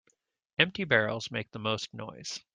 Empty barrels make the most noise.